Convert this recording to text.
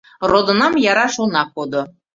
Родынам яраш она кодо -